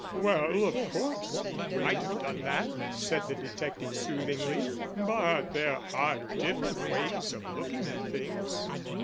"Well, of course, he might have done that," said the detective soothingly. "But there are different ways of looking at things."